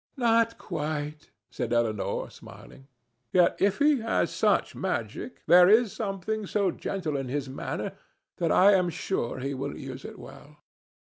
"Not quite," said Elinor, smiling. "Yet if he has such magic, there is something so gentle in his manner that I am sure he will use it well."